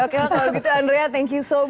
oke lah kalo gitu andrea thank you so much